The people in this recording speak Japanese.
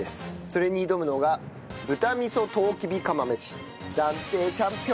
それに挑むのが豚味噌とうきび釜飯。